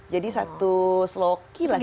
jadi satu sloki lah ya